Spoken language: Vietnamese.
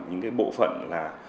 những cái bộ phận là